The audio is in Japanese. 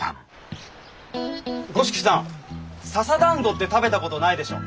五色さん笹団子って食べたことないでしょう？